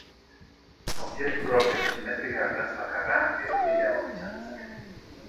Objektu hauek simetria ardatz bakarra edo gehiago izan ditzakete.